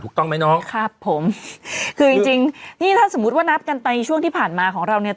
ถูกต้องไหมน้องครับผมคือจริงจริงนี่ถ้าสมมุติว่านับกันไปช่วงที่ผ่านมาของเราเนี่ย